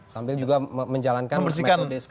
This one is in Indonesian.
sambil juga menjalankan metode